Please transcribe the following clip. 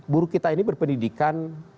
buruh kita ini berpendidikan